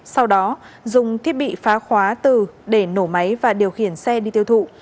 sau đó dùng thiết bị phá khóa từ để nổ máy và điều khiển xe đi tiêu thụ